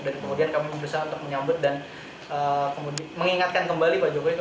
dan kemudian kami berusaha untuk menyambut dan mengingatkan kembali pak jokowi